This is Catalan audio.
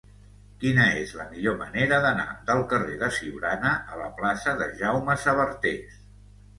Quina és la millor manera d'anar del carrer de Siurana a la plaça de Jaume Sabartés?